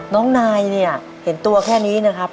น้องนายเนี่ยเห็นตัวแค่นี้นะครับ